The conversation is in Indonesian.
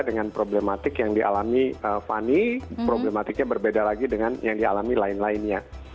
dengan problematik yang dialami fani problematiknya berbeda lagi dengan yang dialami lain lainnya